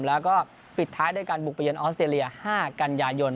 แล้วก็ปิดท้ายด้วยการบุกไปเยออสเตรเลีย๕กันยายน